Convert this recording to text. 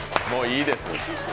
もういいです。